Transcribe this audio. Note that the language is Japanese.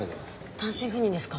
単身赴任ですか？